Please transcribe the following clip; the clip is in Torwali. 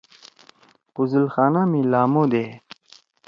غُسل خانہ می لامو دے۔